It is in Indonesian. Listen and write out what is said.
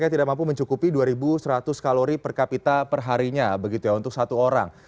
tidak mampu mencukupi dua seratus kalori per kapita perharinya begitu ya untuk satu orang